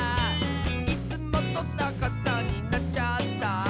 「いつもとさかさになっちゃった」